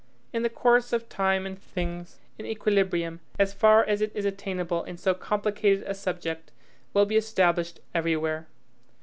In the course of time and things, an equilibrium, as far as it is attainable in so complicated a subject, will be established everywhere.